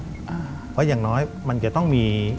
เพราะอย่างน้อยมันจะต้องมี